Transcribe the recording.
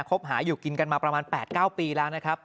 บหาอยู่กินกันมาประมาณ๘๙ปีแล้วนะครับ